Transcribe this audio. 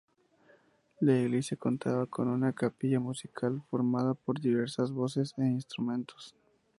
La iglesia contaba con una capilla musical formada por diversas voces e instrumentos.